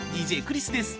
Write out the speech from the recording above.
ＤＪクリスです。